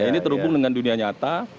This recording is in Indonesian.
ini terhubung dengan dunia nyata